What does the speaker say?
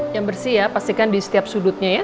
yang bersih ya pastikan di setiap sudutnya ya